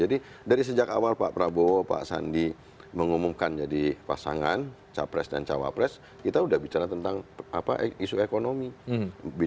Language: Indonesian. jadi dari sejak awal pak prabowo pak sandi mengumumkan jadi pasangan capres dan cawapres kita sudah bicara tentang isu ekonomi